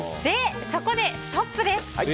そこでストップです。